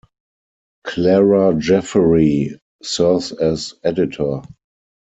Clara Jeffery serves as editor.